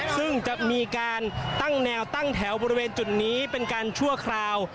ซึ่งจะมีการตั้งแนวตั้งแถวบริเวณจุดนี้เป็นการชั่วคราว